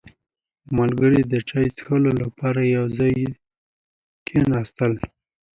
• ملګري د چای څښلو لپاره یو ځای کښېناستل.